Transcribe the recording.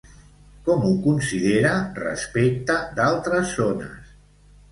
Com ho considera respecte d'altres zones?